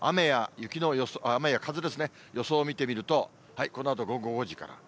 雨や風ですね、予想を見てみると、このあと午後５時から。